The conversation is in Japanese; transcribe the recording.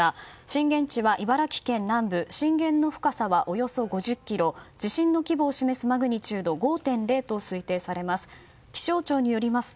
震源地は茨城県南部震源の深さはおよそ５０ｋｍ地震の規模を示すマグニチュード５．０と推定されます。